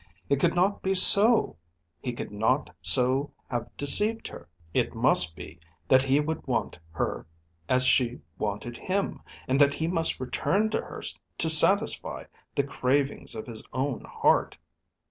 It could not be so. He could not so have deceived her. It must be that he would want her as she wanted him, and that he must return to her to satisfy the cravings of his own heart.